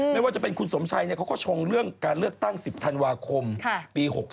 ไม่ว่าจะเป็นคุณสมชัยเขาก็ชงเรื่องการเลือกตั้ง๑๐ธันวาคมปี๖๓